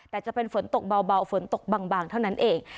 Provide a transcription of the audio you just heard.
แต่จะเป็นฝนตกเบาฝนตกบางเท่านั้นเอง